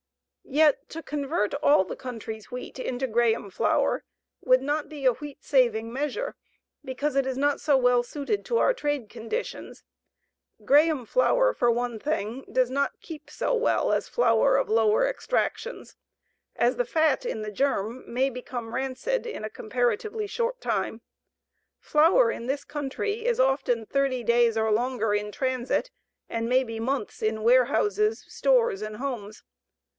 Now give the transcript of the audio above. Yet to convert all the country's wheat into Graham flour would not be a wheat saving measure, because it is not so well suited to our trade conditions. Graham flour, for one thing, does not keep so well as flour of lower extractions, as the fat in the germ may become rancid in a comparatively short time. Flour in this country is often thirty days or longer in transit and may be months in warehouses, stores, and homes.